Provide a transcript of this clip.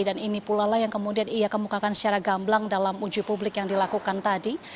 dan ini pula lah yang kemudian ia kemukakan secara gamblang dalam uji publik yang dilakukan tadi